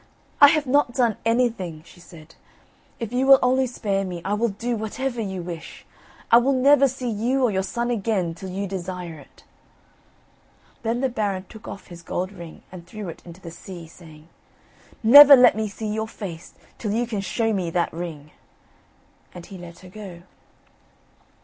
"I have not done anything," she said: "if you will only spare me, I will do whatever you wish. I will never see you or your son again till you desire it." Then the Baron took off his gold ring and threw it into the sea, saying: "Never let me see your face till you can show me that ring;" and he let her go.